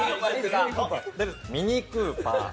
ミクーパー。